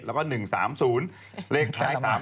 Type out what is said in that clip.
แล้วก็๐๔๗นะฮะศูนย์เลขท้าย๒ตัว